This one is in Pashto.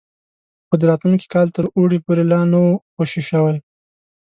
خو د راتلونکي کال تر اوړي پورې لا نه وو خوشي شوي.